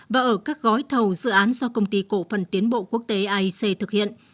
và ở các gói thầu dự án do công ty cổ phần tiến bộ quốc tế aic thực hiện